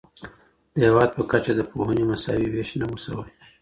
د هېواد په کچه د پوهنې مساوي ويش نه و سوی.